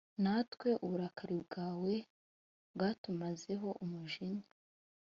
natwe uburakari bwawe bwatumazeho umujinya